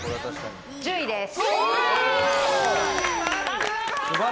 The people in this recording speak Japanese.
１０位です。